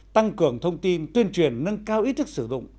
tăng cường thông tin tuyên truyền nâng cao ý thức sử dụng